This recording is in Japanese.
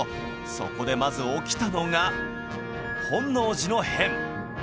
そこでまず起きたのが本能寺の変